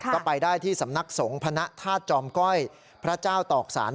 ก็ไปได้ที่สำนักสงฆ์พระธาตุจอมก้อยพระเจ้าตอกสาร